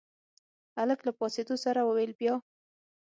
هلک له پاڅېدو سره وويل بيا.